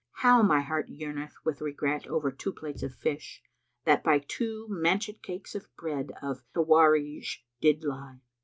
How my heart yearneth with regret over two plates of fish * That by two manchet cakes of bread of Tewarij[FN#329] did lie!"